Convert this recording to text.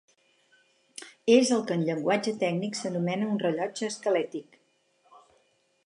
És el que en llenguatge tècnic s'anomena un rellotge esquelètic.